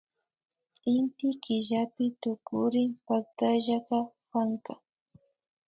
Inty killapi tukurin pactashaka panka